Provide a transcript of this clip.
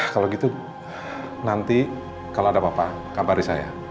kalau gitu nanti kalau ada apa apa kabar di saya